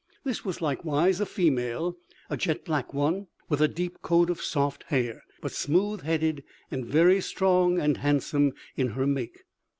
This was likewise a female, a jet black one, with a deep coat of soft hair, but smooth headed, and very strong and handsome in her make.